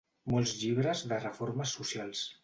Molts llibres de reformes socials.